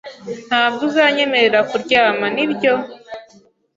Ntabwo uzanyemerera kuryama, nibyo?